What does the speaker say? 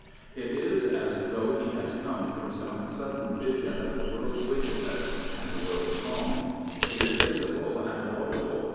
It is as though he has come from some sudden vision of the world's wickedness and the world's wrong. It is visible and audible.